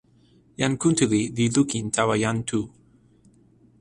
jan Kuntuli li lukin tawa jan Tu.